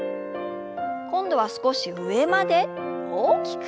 今度は少し上まで大きく。